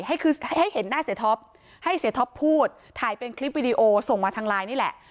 ให้คือให้เห็นหน้าเสียท็อปให้เสียท็อปพูดถ่ายเป็นคลิปวิดีโอส่งมาทางไลน์นี่แหละ